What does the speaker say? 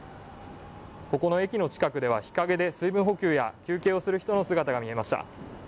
ここの駅の近くでは日陰で水分補給や休憩をする人の姿が見えました。